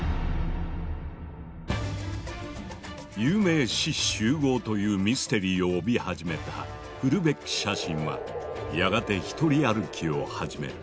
有名志士集合というミステリーを帯び始めたフルベッキ写真はやがて独り歩きを始める。